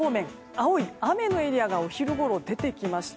青い雨のエリアがお昼ごろ出てきました。